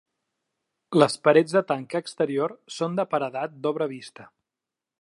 Les parets de tanca exterior són de paredat d'obra vista.